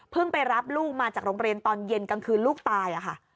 ไปรับลูกมาจากโรงเรียนตอนเย็นกลางคืนลูกตายค่ะ